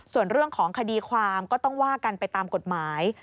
ส่วนเรื่องของคดีความก็ต้องว่ากันไปตามกฎหมาย